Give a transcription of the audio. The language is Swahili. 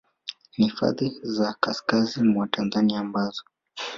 na hifadhi za kaskazi mwa Tanzania ambazo